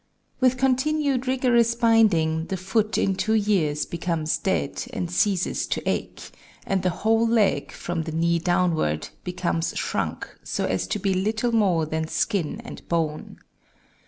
With continued rigorous binding the foot in two years becomes dead and ceases to ache, and the whole leg, from the knee downward, becomes shrunk, so as to be little more than skin and bone.